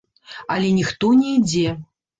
Але ніхто не ідзе.